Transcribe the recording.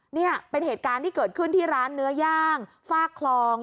นี่เป็นเหตุการณ์ที่เกิดขึ้นที่ร้านเนื้อย่างฝากคลอง